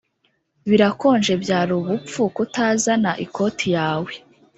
Birakonje Byari ubupfu kutazana ikoti yawe